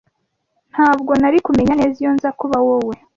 Ntabwo nari kumenya neza iyo nza kuba wowe.